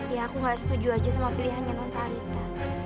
ya aku gak setuju aja sama pilihannya nontalita